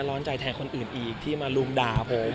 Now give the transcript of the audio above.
ร้อนใจแทนคนอื่นอีกที่มาลุมด่าผม